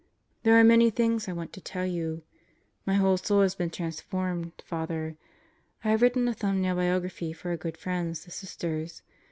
There are many things I want to tell you. ... My whole soul has been transformed, Father. I have written a thumbnail biography for our good friends, the Sisters.